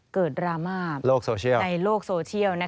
เกิดรามาในโลกโซเชียล